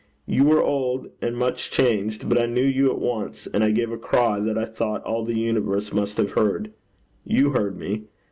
You were old and much changed, but I knew you at once, and I gave a cry that I thought all the universe must have heard. You heard me.